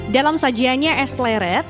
dalam sajiannya es pleret